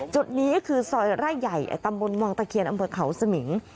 จุดนี้คือซอยไร่ใหญ่ตำบลวังตะเคียนอำเภอเขาสมิง